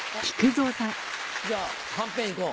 じゃあはんぺん行こう。